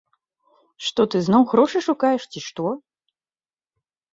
Што ты, зноў грошы шукаеш, ці што?